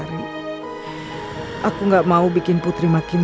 terima kasih rupanya untuk penonton dungeon